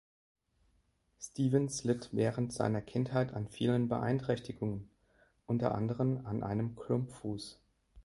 Stevens litt während seiner Kindheit an vielen Beeinträchtigungen, unter anderem an einem Klumpfuß.